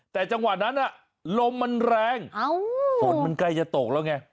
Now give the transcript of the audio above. แต่จังหวะนั้นลมมันแรงฝนมันใกล้จะตกแล้วไง